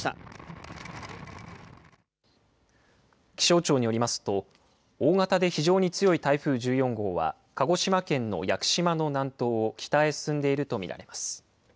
気象庁によりますと、大型で非常に強い台風１４号は、鹿児島県の屋久島の南東を北へ進んでいると見られます。